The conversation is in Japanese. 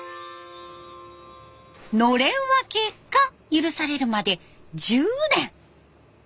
のれん分けが許されるまで１０年。